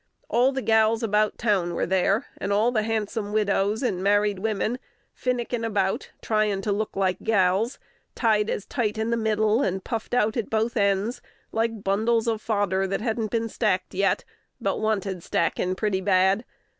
All the gals about town was there; and all the handsome widows and married women, finickin' about, trying to look like gals, tied as tight in the middle, and puffed out at both ends, like bundles of fodder that hadn't been stacked yet, but wanted stackin' pretty bad.